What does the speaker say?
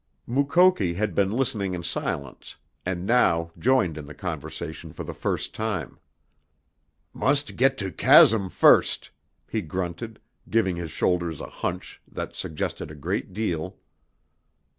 Mukoki had been listening in silence, and now joined in the conversation for the first time. "Must get to chasm first," he grunted, giving his shoulders a hunch that suggested a great deal.